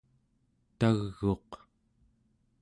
tag'uq